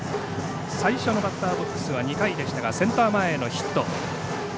最初のバッターボックスは２回でしたがセンター前へのヒット。